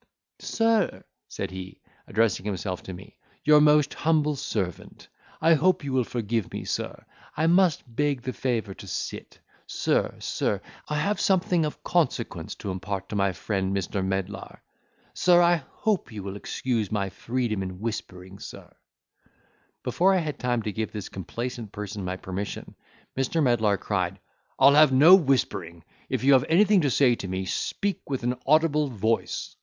"Sir," said he, addressing himself to me, "your most humble servant. I hope you will forgive me, sir—I must beg the favour to sit—sir—sir—I have something of consequence to impart to my friend Mr. Medlar—sir, I hope you will excuse my freedom in whispering, sir," Before I had time to give this complaisant person my permission, Mr. Medlar cried, "I'll have no whispering—if you have anything to say to me, speak with an audible voice."